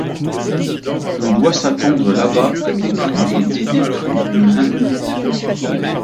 On doit s'attendre là-bas à des crues et des décrues du Rhin.